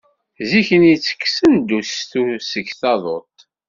Zik-nni ttekksen-d ustu seg taḍuṭ.